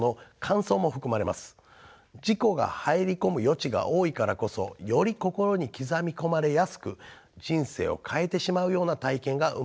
自己が入り込む余地が多いからこそより心に刻み込まれやすく人生を変えてしまうような体験が生まれやすいのでしょう。